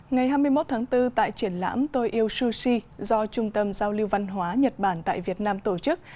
ngày hai mươi một tháng bốn tại triển lãm tôi yêu sushi do trung tâm giao lưu văn hóa nhật bản tại việt nam tổ chức